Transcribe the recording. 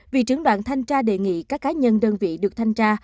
vị trưởng đoàn thanh cha đề nghị các cá nhân đơn vị được thanh cha